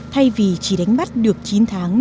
thay vì chỉ đánh bắt được chín tháng